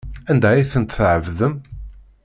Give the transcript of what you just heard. Anda ay tent-tɛebdem?